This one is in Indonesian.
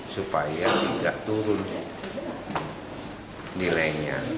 supaya tidak turun nilainya